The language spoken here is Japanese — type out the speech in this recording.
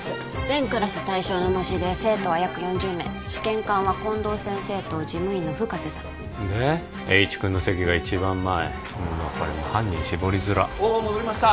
全クラス対象の模試で生徒は約４０名試験官は近藤先生と事務員の深瀬さんで栄一君の席が一番前うわこれもう犯人絞りづらっ大庭戻りました